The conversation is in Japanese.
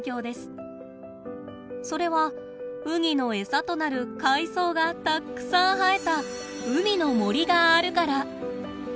それはウニの餌となる海藻がたくさん生えた海の森があるから。